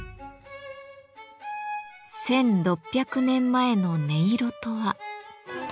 １，６００年前の音色とは。